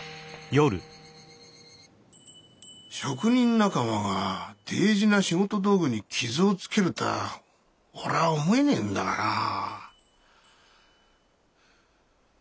職人仲間が大事な仕事道具に傷をつけるとは俺は思えねえんだがなぁ。